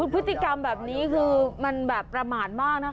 พฤติกรรมแบบนี้คือมันแบบประมาทมากนะคะ